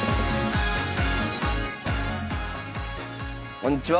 こんにちは。